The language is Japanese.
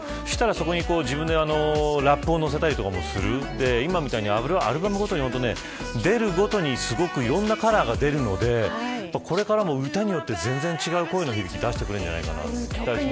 そこに自分でラップを乗せれたりとかもする今みたいに、アルバムごとに出るごとにいろんなカラーが出るのでこれからも歌によって全然違う声を出してくれるんじゃないかなと期待しています。